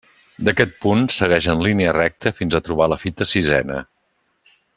D'aquest punt segueix en línia recta fins a trobar la fita sisena.